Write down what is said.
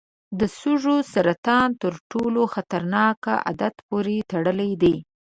د سږو سرطان تر ټولو خطرناک عادت پورې تړلی دی.